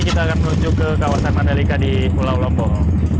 kita akan menuju ke kawasan mandalika di pulau lombok